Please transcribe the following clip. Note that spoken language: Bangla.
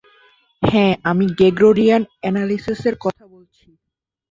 হ্যাঁ আমি গ্রেগরিয়ান এ্যানালিসিসের কথা বলছি।